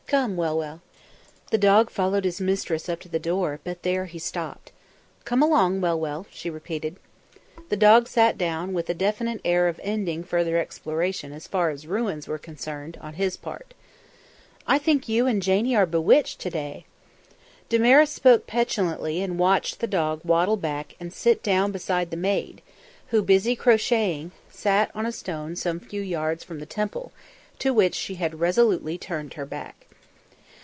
Come, Well Well." The dog followed his mistress up to the door, but there he stopped. "Come along, Well Well," she repeated. The dog sat down, with a definite air of ending further exploration as far as ruins were concerned, on his part. "I think you and Janie are bewitched to day." Damaris spoke petulantly and watched the dog waddle back and sit down beside the maid, who, busy crocheting, sat on a stone some few yards from the Temple, to which she had resolutely turned her back.